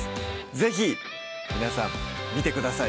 是非皆さん見てください